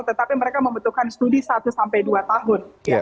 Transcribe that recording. tetapi mereka membutuhkan studi satu sampai dua tahun